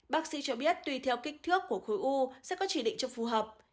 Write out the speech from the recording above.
bác sĩ cho biết tùy theo kích thước của khối u sẽ có chỉ định cho phù hợp